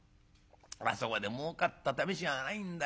あそこでもうかったためしがないんだよ。